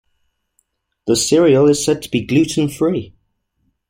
The cereal is said to be gluten free.